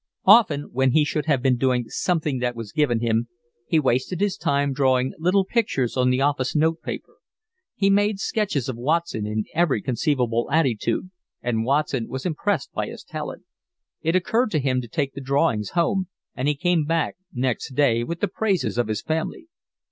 Often, when he should have been doing something that was given him, he wasted his time drawing little pictures on the office note paper. He made sketches of Watson in every conceivable attitude, and Watson was impressed by his talent. It occurred to him to take the drawings home, and he came back next day with the praises of his family.